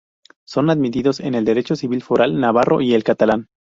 Son admitidos en el Derecho civil foral navarro y el catalán.